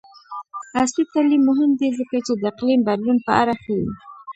عصري تعلیم مهم دی ځکه چې د اقلیم بدلون په اړه ښيي.